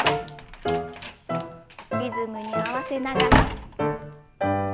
リズムに合わせながら。